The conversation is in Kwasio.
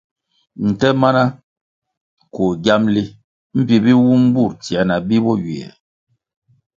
Nte mana koh giamli mbpi bi wum bur tsier na bi bo ywiè.